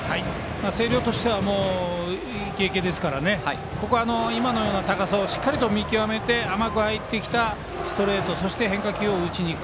星稜としてはイケイケなので今のような高さをしっかりと見極めて甘く入ってきたストレートと変化球を打ちに行く。